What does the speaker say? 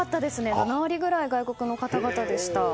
７割ぐらい外国の方でした。